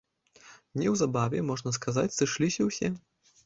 Неўзабаве, можна сказаць, сышліся ўсе.